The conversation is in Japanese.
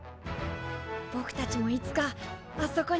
ぼくたちもいつかあそこに。